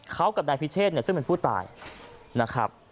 เขากับนายพิเชษซึ่งเป็นผู้ตายนะครับ